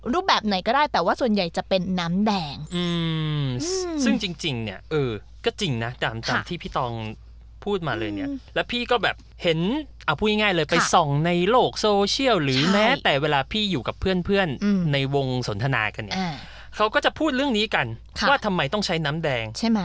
รูปแบบไหนก็ได้แต่ว่าส่วนใหญ่จะเป็นน้ำแดงซึ่งจริงเนี่ยเออก็จริงนะตามที่พี่ตองพูดมาเลยเนี่ยแล้วพี่ก็แบบเห็นเอาพูดง่ายเลยไปส่องในโลกโซเชียลหรือแม้แต่เวลาพี่อยู่กับเพื่อนในวงสนทนากันเนี่ยเขาก็จะพูดเรื่องนี้กันว่าทำไมต้องใช้น้ำแดงใช่ไหม